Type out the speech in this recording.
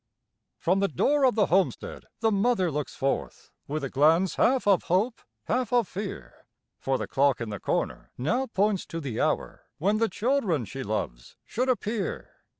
From the door of the homestead the mother looks forth, With a glance half of hope, half of fear, For the clock in the corner now points to the hour When the children she loves should appear.